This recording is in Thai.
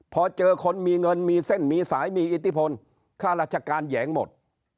พอเจอคนมีเงินมีเส้นมีสายมีอิทธิพลค่าราชการแหยงหมด